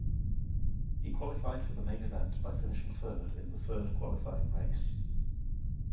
He qualified for the main event by finishing third in the third qualifying race.